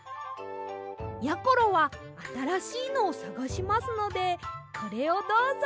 やころはあたらしいのをさがしますのでこれをどうぞ。